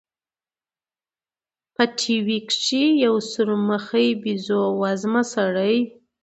په ټي وي کښې يو سورمخى بيزو وزمه سړى.